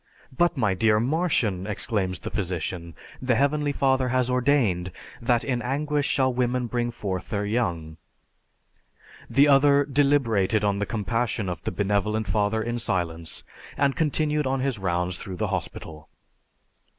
'" "But, my dear Martian," exclaims the physician, "the Heavenly Father has ordained that in anguish shall woman bring forth her young." The other deliberated on the compassion of the Benevolent Father in silence, and continued on his rounds through the hospital.